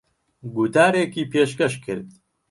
گوتارێکی پێشکەش کرد.